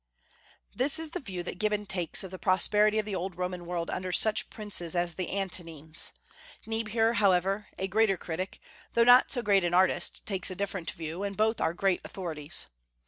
This is the view that Gibbon takes of the prosperity of the old Roman world under such princes as the Antonines. Niebuhr, however, a greater critic, though not so great an artist, takes a different view; and both are great authorities.